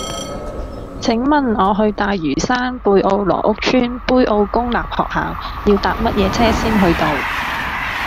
請問我想去大嶼山貝澳羅屋村杯澳公立學校要搭乜嘢車先去到